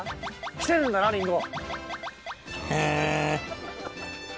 きてるんだなリンゴ。